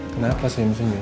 kenapa sayang senyum